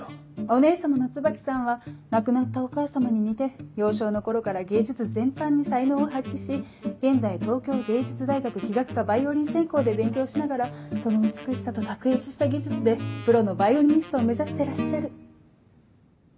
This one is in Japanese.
お姉様の椿さんは亡くなったお母様に似て幼少の頃から芸術全般に才能を発揮し現在東京藝術大学器楽科バイオリン専攻で勉強しながらその美しさと卓越した技術でプロのバイオリニストを目指してらっしゃる。